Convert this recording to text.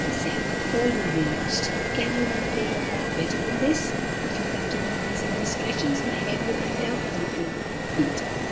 he said, "all will be lost! Can you not play your part better than this? If you continue these indiscretions my head will undoubtedly pay the forfeit.